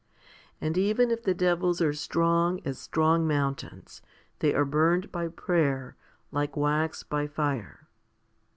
And even if the devils are strong as strong mountains, they are burned by prayer, like wax by fire.